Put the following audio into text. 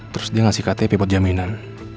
terus dia ngasih ktp buat jaminan